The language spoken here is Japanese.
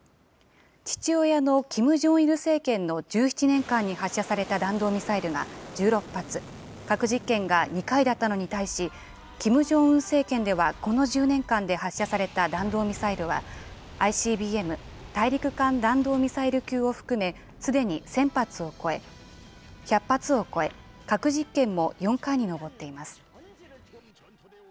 父親のキム・ジョンイル政権の１７年間に発射された弾道ミサイルが１６発、核実験が２回だったのに対し、キム・ジョンウン政権では、この１０年間で発射された弾道ミサイルは、ＩＣＢＭ・大陸間弾道ミサイル級を含め、すでに１００発を超え、核実験も４回に上っています。